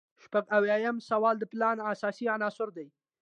شپږ اویایم سوال د پلان اساسي عناصر دي.